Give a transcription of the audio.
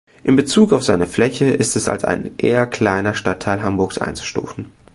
In Bezug auf seine Fläche ist es als ein eher kleiner Stadtteil Hamburgs einzustufen.